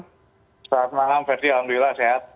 sehat malam fer alhamdulillah sehat